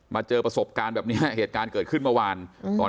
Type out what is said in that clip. เจอประสบการณ์แบบนี้เหตุการณ์เกิดขึ้นเมื่อวานตอน